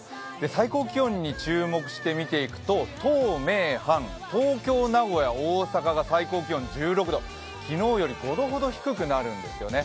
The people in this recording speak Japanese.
最高気温に注目して見ていくと、東・名・阪、東京、名古屋、大阪が最高気温１６度、昨日より５度ほど低くなるんですよね。